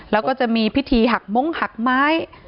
แล้วก็จะมีพิธีหักมงหักไม้